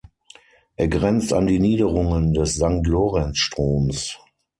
Er grenzt an die Niederungen des Sankt-Lorenz-Stroms.